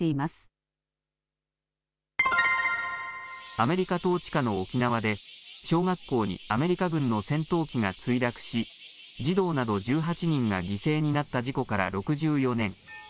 アメリカ統治下の沖縄で小学校にアメリカ軍の戦闘機が墜落し、児童など１８人が犠牲になった事故から６４年。